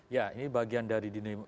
ya ini bagian dari dinamika politik